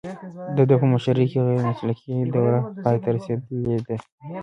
د ده په مشرۍ کې غیر مسلکي دوره پای ته رسیدلې ده